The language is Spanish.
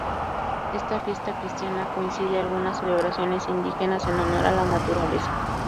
Esta fiesta cristiana coincide algunas celebraciones indígenas en honor a la Naturaleza.